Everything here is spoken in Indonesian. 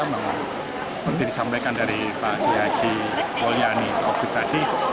seperti yang disampaikan dari pak yaji boliani waktu tadi